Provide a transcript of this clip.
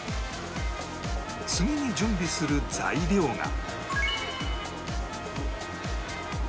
次に準備する材料が